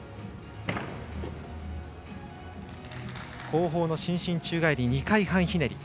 後方の伸身宙返り２回半ひねり。